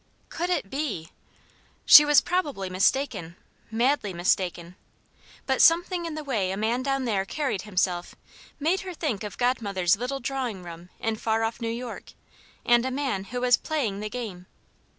Could it be? She was probably mistaken madly mistaken but something in the way a man down there carried himself made her think of Godmother's little drawing room in far off New York and a man who was "playing the game."